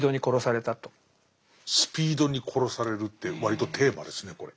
スピードに殺されるって割とテーマですねこれ。